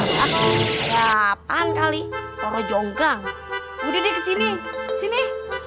jalan kali toro jonggang udah di sini sini